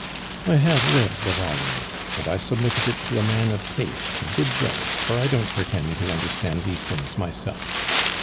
"I have read the volume. And I submitted it to a man of taste, a good judge; for I don't pretend to understand these things myself.